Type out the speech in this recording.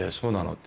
って。